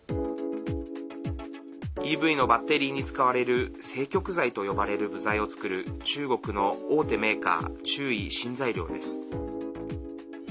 ＥＶのバッテリーに使われる正極材と呼ばれる部材を作る中国の大手メーカー中偉新材料です。